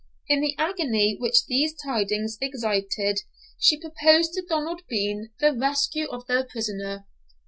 In the agony which these tidings excited she proposed to Donald Bean the rescue of the prisoner.